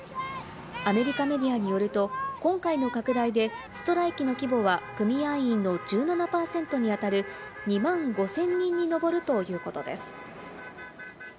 アメリカメディアによると、今回の拡大でストライキの規模は、組合員の１７％にあたる２万５０００人に上るということです。